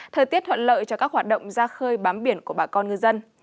thời tiết thuận lợi cho các hoạt động ra khơi bám biển của bà con ngư dân